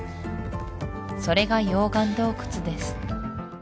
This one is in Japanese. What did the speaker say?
それが溶岩洞窟です